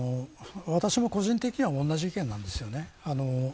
私も個人的には同じ意見なんですね。